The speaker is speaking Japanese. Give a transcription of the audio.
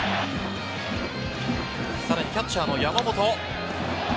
さらにキャッチャーの山本。